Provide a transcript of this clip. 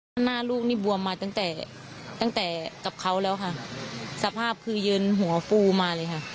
หน้าลูกนี่บวมมาตั้งแต่กับเขาแล้วค่ะสภาพคือยืนหัวฟูมาเลยค่ะ